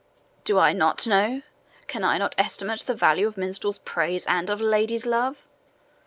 "DO I not know, CAN I not estimate the value of minstrel's praise and of lady's love?"